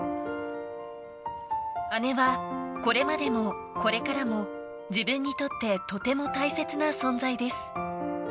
姉はこれまでもこれからも、自分にとって、とても大切な存在です。